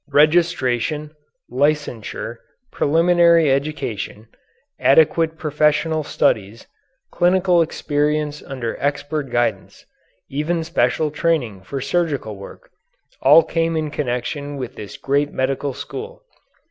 Registration, licensure, preliminary education, adequate professional studies, clinical experience under expert guidance, even special training for surgical work, all came in connection with this great medical school.